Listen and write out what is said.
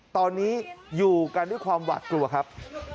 ตอนนี้อยู่กันด้วยความหวาดกลัวครับ